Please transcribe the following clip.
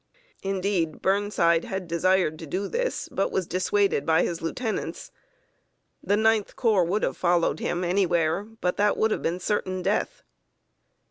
Indeed, Burnside had desired to do this, but was dissuaded by his lieutenants. The Ninth Corps would have followed him anywhere; but that would have been certain death.